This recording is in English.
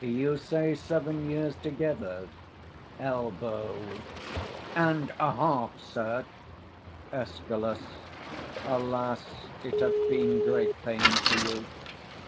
You say, seven years together? Elb. And a half, sir. Escal. Alas, it hath been great pains to you.